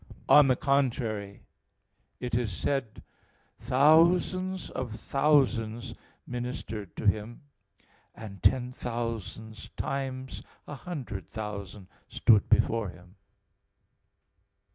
On the contrary, It is said (Dan. 7:10): "Thousands of thousands ministered to Him, and ten thousands times a hundred thousand stood before Him."